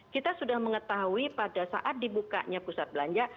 kita sudah mengetahui pada saat dibukanya pusat belanja